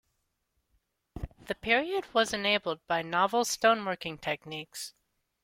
The period was enabled by novel stone working techniques.